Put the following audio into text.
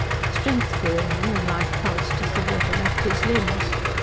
Strength grew in him and life pulsed as the water lapped his limbs.